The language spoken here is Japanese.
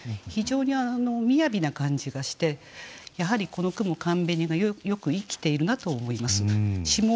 非常にみやびな感じがしてやはりこの句も「寒紅」がよく生きているなと思います。